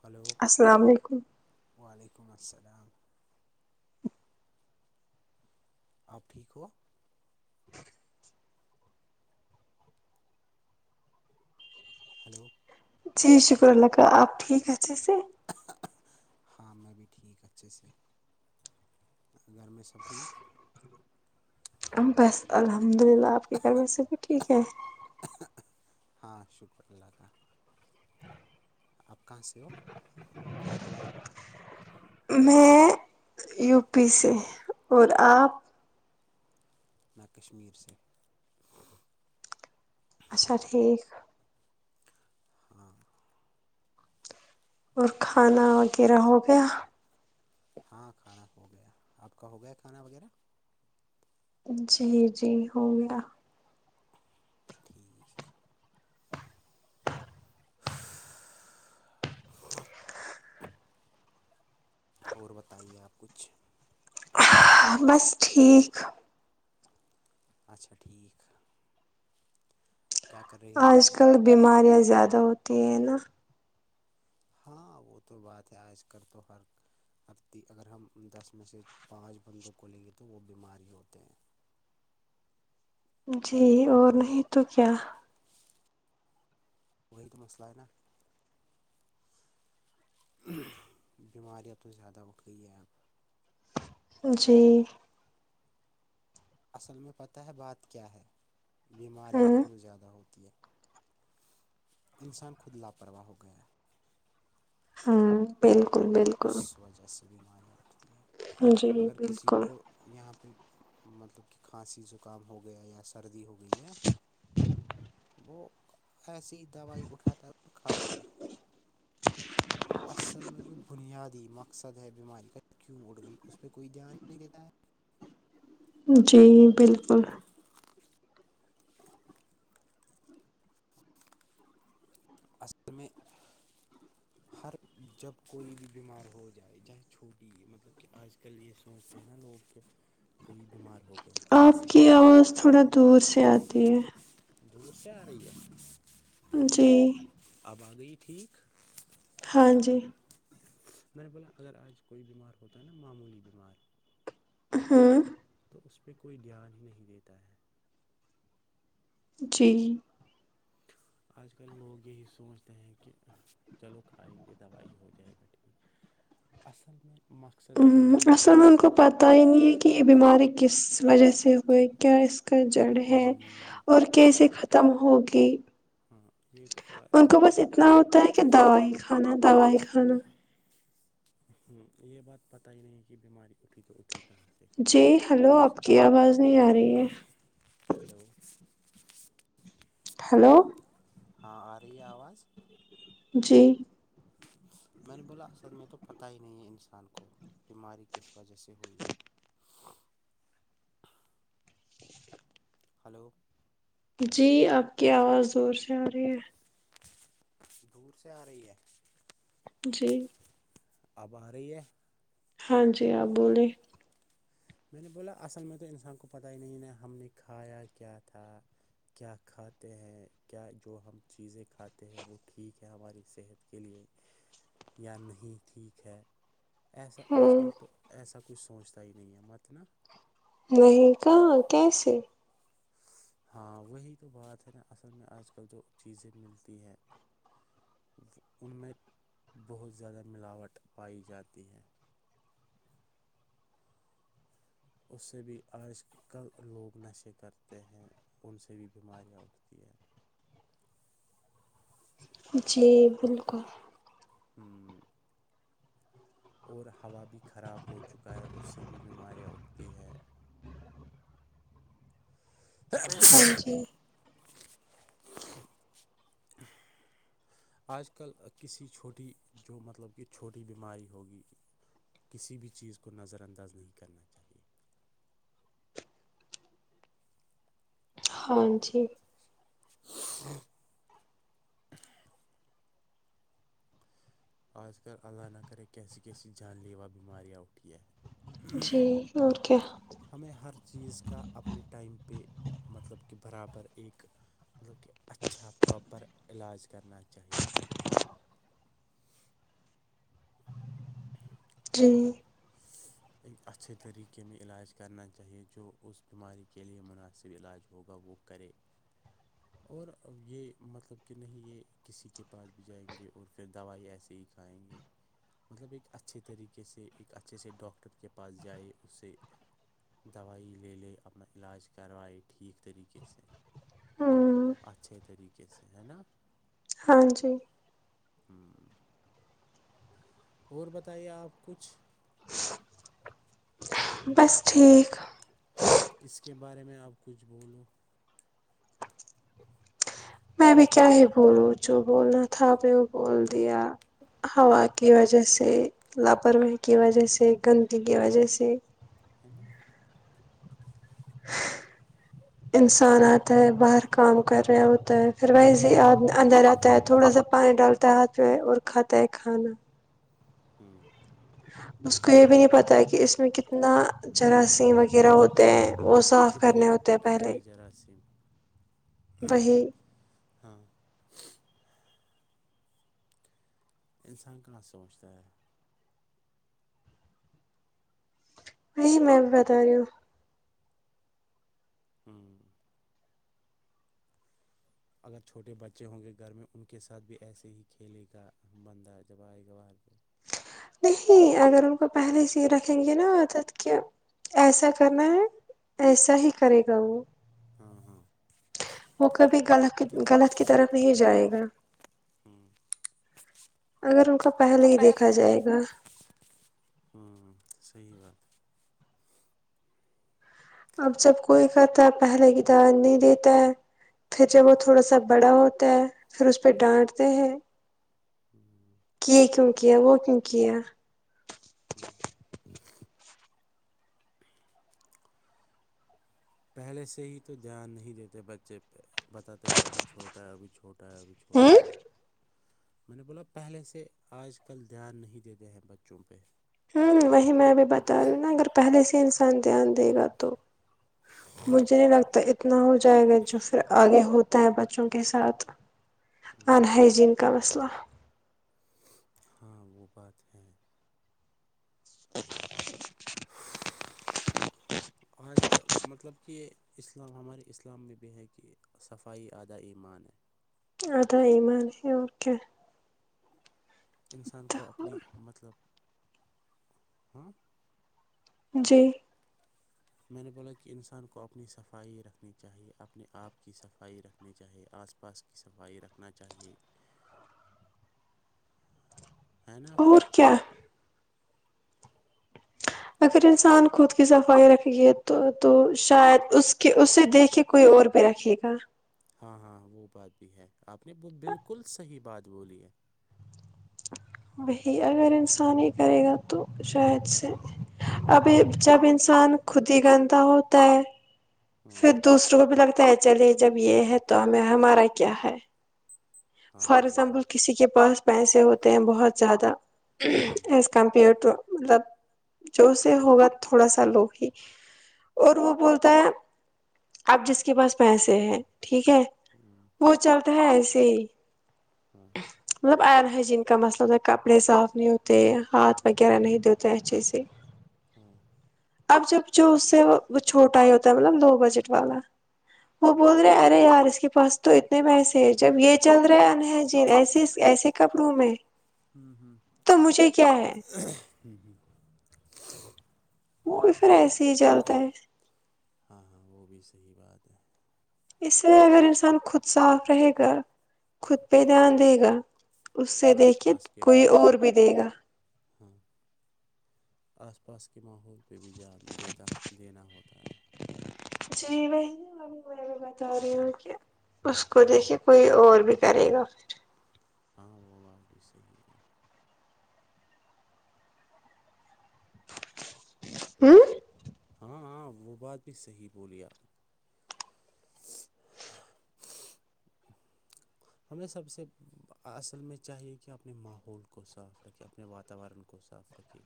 hello السلام علیکم وعلیکم السلام افری کو [inaudible] ہلو جی شکر اللہ کا آپ ٹھیک ہے اچھے سے ہاں میں بھی ٹھیک اچھے سے گھر میں سب ٹھیک بس الحمد للہ آپ کے گھر میں سے بھی ٹھیک ہے ہاں شکر اللہ کا آپ کہاں سے ہو [inaudible] میں یو پی سے اور آپ نہ کشمیر سے اچھا ٹھیک ہاں اور کھانا وغیرہ ہو گیا ہاں کھانا ہو گیا آپ کا ہو گیا کھانا وغیرہ جی جی ہو گیا ٹھیک اور بتائیے آپ کچھ بس ٹھیک اچھا ٹھیک کیا کر رہی ہو آپ آج کل بیماریاں زیادہ ہوتی ہیں نا ہاں وہ تو بات ہے آج کل تو ہر ہتی اگر ہم دس میں سے پانچ بندوں کو لیں گے تو وہ بیمار ہی ہوتے ہیں جی اور نہیں تو کیا وہی تو مسئلہ ہے نا بیمارییاں تو زیادہ وقئی ہےپ جی اصل میں پتہ ہے بات کیا ہے بیماریاں ہاں کیوں زیادہ ہوتی ہے انسان خود لاپرواہ ہو گیا ہاں بالکل بالکل اس وجہ سے بیماریاں اٹھتی ہیں جی اگر کسی بالکل کو یہاں پہ مطلب کہ کھانسی زکام ہو گیا یا سردی ہو گئی ہے وہ ایسی دوائی اٹھاتا ہے اور کھاتا ہے اصل میں جو بنیادی مقصد ہے بیماری کا کیوں اڑ گئی اس پہ کوئی دھیان نہیں دیتا ہے جی بالکل اصل میں ہر جب کوئی بھی بیمار ہو جائے جاہے چھوٹی ہے مطلب کہ آج کل یہ س سے نا لوگ کہ کوئی بیمار ہو گیا آپ کھانسی کی ہو گئی آواز تھوڑا دور سے آتی ہے دور سے آ رہی ہے جی اب آ گئی ٹھیک ہاں جی میں نے بولا اگر آج کوئی بیمار ہوتا ہے نا معمولی بیمار ہاں تو اس پہ کوئی دھیان ہی نہیں دیتا ہے جی آج کل لوگ یہی سوچتے ہیں کہ چلو کھائیں گے دوائی ہو جائے گا ٹھیک اصل میں مقصد کوئی نہیں اصل میں ان کو سوچتا ہے پتہ ہی نہیں ہے کہ یہ بیماری کس وجہ سے ہوئے کیا اس کا جڑ ہے اور کیسے ختم ہوگی ہاں یہ تو ان کو ایسے بس اتنا ہو ت ہے کیا دواائی کانا دواائی کانا ہوں یہ بات پت ہی نہیں کہ بیماری اٹھی تو اٹھی کہاں سے جی ہیلو آج آپ کی آواز نہیں آ رہی ہے ہلو [unintelligible] ہلو ہاں آ رہی ہے آواز جی میں نے بولا اصد میں تو پتاہ ہی نہیں ہے انسان کو بیماری کس وجہ سے ہوئی ہے [unintelligible] ہلو جی آپ کی آواز زور سے آ رہی ہے دور سے آ رہی ہے [unintelligible] جی اب آ رہی ہے ہاں جی آپ بولییںے میں نے بولا اصل میں تو انسان کو پتاہ ہی نہیں ن ہم نے کھایا کیا تھا کیا کھاتے ہیں کیا جو ہم چیزیں کھاتے ہیں وہ ٹھیک ہے ہماری صحت کے لیے یا نہیں ٹھیک ہے ایسا آج کل ہوں تو ایسا کچھ سوچتا ہی نہیں ہے مت نا نہیں کہاں کیسے ہاں وہی تو بات ہے نا اصل میں آج کل جو چیزیں ملتی ہیں ان میں بہت زیادہ ملاوٹ پائی جاتی ہے اس سے بھی آج کل لوگ نشے کرتے ہیں ان سے بھی بیماریاں اٹھتی ہیں جی بالکل ہاں اور ہوا بھی خراب ہو چکا ہے اس سے بھی بیماریاں اٹھتی ہے پیرس ہاں جی آج کل کسی چھوٹی جو مطلب کہ چھوٹی بیماری ہوگی کسی بھی چیز کو نظر انداز نہیں کرنا چاہیے ہاں جی ہ [unintelligible] آج کل اللہ نہ کرے کیسی کیسی جان لیوا بیماریاں اٹھیا ہیں جی اور کیا ہمیں ہر چیز کا اپنے ٹائم پہ مطلب کہ برابر ایک مطلب کہ اچھا پراپر علاج کرنا چاہیے استری ایک اچھے طریقے میں علاج کرنا چاہیے جو اس بیماری کے لیے مناسب علاج ہوگا وہ کرے اور یہ مطلب کہ نہیں یہ کسی کے پاس بھی جائیں گے اور پھر دوائی ایسے ہی کہائیں گے مطلب ایک اچھے طریقے سے ایک اچھے سے ڈاکٹر کے پاس جائے اس سے دوائی لے لے اپنا علاج کروائے ٹھیک طریقے سے ہوں اچھے طریقے سے ہے نا ہاں جی ہوں اور بتائیے آپ کچھ بس ٹھیک اس کے بارے میں آپ کچھ بولو [unintelligible] میں بھی کیا ہی بولوں جو بولنا تھا آ نے وہ بول دیا ہوا کی وجہ سے لاپرواہی کی وجہ سے گندگی کی وجہ سے ہے ن [unintelligible] انسانتا ہے باہر کام کر رہے ہوتا ہے پھر وہی سے اندر آتا ہے تھوڑا سا پانی ڈالتا ہے ہاتھ پ اور خطہ کانا ہوں اس کو یہ بھی نہیں پتہ ہے کہ اس میں کتنا جراثیم وغیرہ ہوتے ہیں وہ صاف کتنے کرنے ہوتے ہیں لگے پہلے کتنے جراثیم وہی ہاں انسان کہاں سوچتا ہے نہیںی میں بھی بتا رہی ہوں ہوں اگر چھوٹے بچے ہوں گے گھر میں ان کے ساتھ بھی ایسے ہی کھیلے کا بندہ جب آئے گوار تھے نہیں اگر ان کو پہلے سے ہی رکھیں گے نا عادت کے ایسا کرنا ہے ایسا ہی کرے گا وہ ہاں ہاں وہ کبھی غلط غلط کی طرف نہیں جائے گا ہوں اگر ان کا پہلے ہی دیکھا جائے گا ہوں صحیح بات ہے اب جب کوئی کرتا ہے پہلے کتاب نہیں دیتا ہے پھر جب وہ تھوڑا سا بڑا ہوتا ہے پھر اس پہ ڈانٹتے ہیں ہوں کی کیوں کیا وہ کیوں کیا ہے ہوں پہلے سے ہی تو دھیان نہیں دیتے بچے پہ بتاتے ہیں ابھی چھوٹا ہے ابھی چھوٹا چھوتا ہے اب چھ ہوں ہوتا ہے میں نے بولا پہلے سے آج کل دھیان نہیں دیتے ہیں بچوں پہ ہوں وہی میں بھی بتا رہی نا اگر پہلے سے انسان دھیان دے گا تو مجھے نہیں لگتا اتنا ہو جائے گا جو پھر آگے ہوتا ہے بچوں کے ساتھ آنائی جین کا وسلام ہاں وہ بات ہے آج کل مطلب کہ اسلام ہمارے اسلام میں بھی ہے کہ صفائی آدھا ایمان ہے ادا یہ مار اورک انسان کو اپنی مطلب ہاں جی میں نے بولا کہ انسان کو اپنی صفائی رکھنی چاہیے اپنے آپ کی صفائی رکھنی چاہیے آس پاس کی صفائی رکھنا چاہیے ہے نا اور کیا کیا اگر انسان خود کی صفائی رکھے گے تو تو شاید اس کے اسے دیکھے کوئی اور پہ رکھیے گا ہاں ہاں وہ بات بھی ہے آپ نے وہ بالکل صحیح بات بولی ہے وہی اگر انسان یہ کرے گا تو شاید سے ابھی جب انسان خود ہی گندا ہوتا ہے پھر ہاں دوسروں کو بھی لگتا ہے چلے جب یہ ہے تو ہمیں ہمارا کیا ہے فار ہاں وہ ایگزامپل بات کسی کے پاس پیسے ہوتے ہیں بہت زیادہ ہاں ہاں کمپیئر ٹو مطلب جو سے ہوگا تھوڑا سا لو ہی اور وہ بولتا ہے اب جس کے پاس پیسے ہیں ٹھیک ہے ہوں وہ چلتا ہے ایسی ہی ہاں مطلب آئرن ہائجین کا مسللہ کپڑے صاف نہیں ہوتے ہاتھ وغیرہ نہیں دیتے اچھے سے [inaudible] ہاں وہ اب جب جو اس سے وہ چھوٹا ہی ہوتا ہے مطلب دو بجٹ والا وہ بول رہے ارے یار اس کے پاس تو اتنے پیسے ہیں جب یہ چل رہ انہ ج ایسے ایسے کپڑوں میں ہوں ہوں تو مجھے کیا ہے ہوں ہوں وہ بھی پھر ایسے ہی چلتا ہے ہاں ہاں وہ بھی صحیح بات ہے اس سے اگر انسان خود صاف رہے گا خود پہ دھیان دے گا اس سے اور دیکھے پاس کے کوئی اور ماحول بھی دے گا ہاں آس پاس کے ماحول پہ بھی دھیان دیتا دینا ہوتا ہے جی ب بتا رہی ہوں کہ اس کو دیکھیے کوئی اور بھی کرے گا ہاں وہ بات بھی صحیح ہے آپ کی ہوں ہاں ہاں وہ بات بھی صحیح بولی آپ نے [inaudible] ہمیں سب سے اصل میں چاہیے کہ اپنے ماحول کو صاف رکھے اپنے واتاورن کو صاف رکھے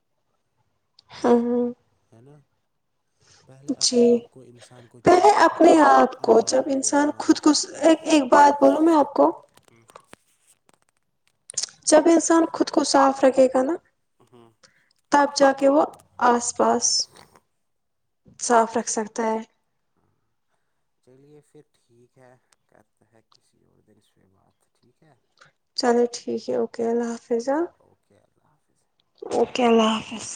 ہاں ہاں ہے نا پہلے اپنے جی آپ کو انسان کو پہلے چاہیے کہ اپنے آپ کو ہاں ک ایک ایک بات بولو میں آپ کو ہف جب انسان خود کو صاف رکھے گا نا ہوں تب جا کے وہ آس پاس صاف رکھ سکتا ہے ہاں چلیے پھر ٹھیک ہے کرتا ہے کسی اور دن سے بات ٹھیک ہے چلو ٹھیک ہے اوکے اللہ حافظ ہ اوکے اللہ حافظ اوکے اللہ حافظ